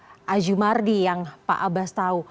dari pemikiran pak azumardi yang pak abbas tahu